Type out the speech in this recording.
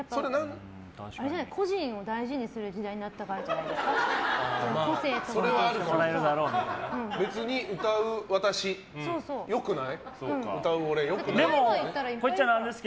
個人を大事にする時代になったからじゃないですか。